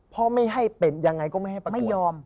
พ่อไม่ให้ไปต่อปรักวด